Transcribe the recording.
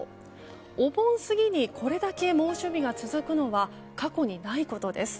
お盆過ぎにこれだけ猛暑日が続くのは過去にないことです。